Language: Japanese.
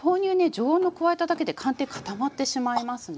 常温の加えただけで寒天固まってしまいますので。